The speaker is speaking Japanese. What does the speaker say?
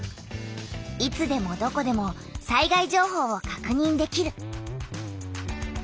いつでもどこでも災害情報をかくにんできる。